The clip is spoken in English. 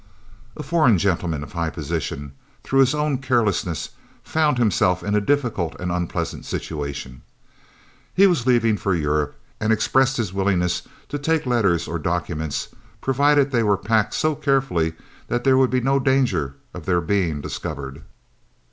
A foreign gentleman of high position, through his own carelessness, found himself in a difficult and unpleasant situation. He was leaving for Europe and expressed his willingness to take letters or documents, provided they were packed so carefully that there would be no danger of their being discovered.